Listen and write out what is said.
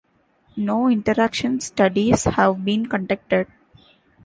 No interaction studies have been conducted.